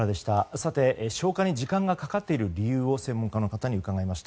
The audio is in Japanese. さて、消火に時間がかかっている理由を専門家の方に伺いました。